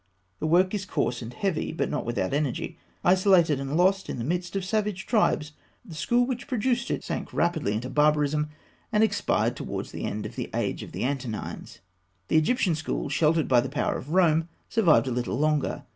The work is coarse and heavy, but not without energy. Isolated and lost in the midst of savage tribes, the school which produced it sank rapidly into barbarism, and expired towards the end of the age of the Antonines. The Egyptian school, sheltered by the power of Rome, survived a little longer.